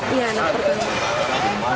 iya anak pertama